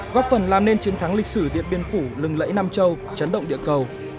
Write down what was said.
góp phần làm nên chiến thắng lịch sử điện biên phủ lừng lẫy nam châu chấn động địa cầu